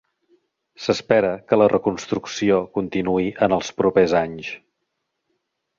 S'espera que la reconstrucció continuï en els propers anys.